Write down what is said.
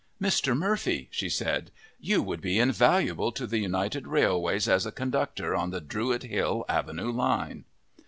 "Mr. Murphy," she said, "you would be invaluable to the United Railways as a conductor on the Druid Hill avenue line!"